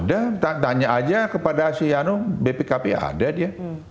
ada tanya aja kepada si yano bpkp ada dia